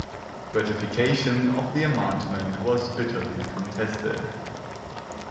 Ratification of the amendment was bitterly contested.